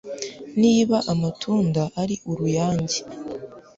niba amatunda ari uruyange